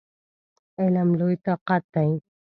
علم لوی طاقت دی!